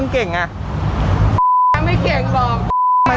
มึงเรียนประชาชามาเด๋ย